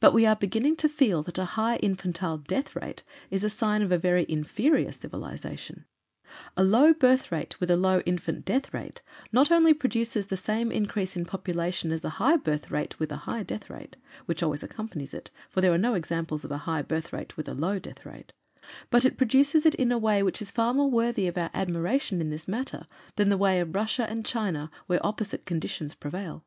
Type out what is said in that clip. BUT WE ARE BEGINNING TO FEEL THAT A HIGH INFANTILE DEATH RATE IS A SIGN OF A VERY INFERIOR CIVILIZATION. A LOW BIRTH RATE WITH A LOW INFANT DEATH RATE NOT ONLY PRODUCES THE SAME INCREASE IN POPULATION AS A HIGH BIRTH RATE WITH A HIGH DEATH RATE, WHICH ALWAYS ACCOMPANIES IT (FOR THERE ARE NO EXAMPLES OF A HIGH BIRTH RATE WITH A LOW DEATH RATE), BUT IT PRODUCES IT IN A WAY WHICH IS FAR MORE WORTHY OF OUR ADMIRATION IN THIS MATTER THAN THE WAY OF RUSSIA AND CHINA WHERE OPPOSITE CONDITIONS PREVAIL."